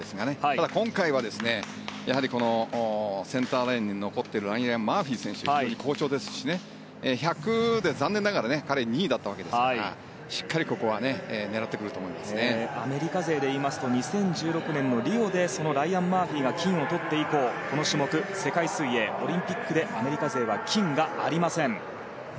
ただ、今回はセンターレーンに残っているライアン・マーフィー選手は非常に好調ですし１００で２位でしたからアメリカ勢でいいますと２０１６年のリオでライアン・マーフィーが金をとって以降この種目、世界水泳オリンピックでアメリカ勢は金がありません。